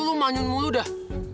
lo manyun mulu dah